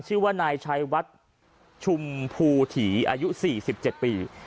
ชื่อว่านายชัยวัดชุมภูถีอายุ๔๗ปี